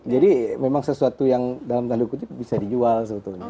jadi memang sesuatu yang dalam tanda kutip bisa dijual sebetulnya